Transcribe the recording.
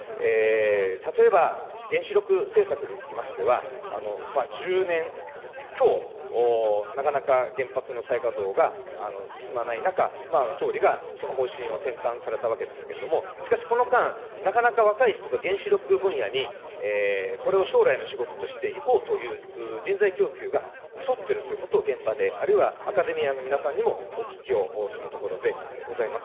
例えば原子力政策につきましては、１０年強、なかなか原発の再稼働が進まない中、総理がその方針を転換されたわけですけれども、しかし、この間、なかなか若い人が原子力分野にこれを将来の仕事としていこうという人材供給が細っているということを現場で、あるいはアカデミアの皆さんにもお聞きをするところでございます。